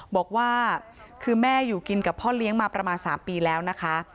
บอกว่าคือแม่อยู่กินกับพ่อเลี้ยงมาประมาณ๓ปีแล้วนะคะ